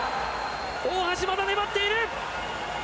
大橋、まだ粘っている。